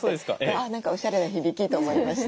あ何かおしゃれな響きと思いました。